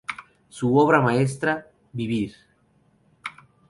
Su obra maestra "¡Vivir!